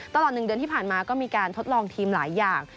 ตลอด๑เดือนที่ผ่านมาก็มีการทดลองทีมหลายอย่าง